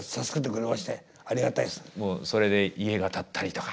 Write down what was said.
もうそれで家が建ったりとか。